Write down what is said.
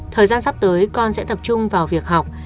thời gian sắp tới con sẽ tập trung vào việc học